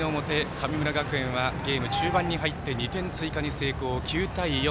神村学園は、ゲーム中盤に入って２点追加に成功、９対４。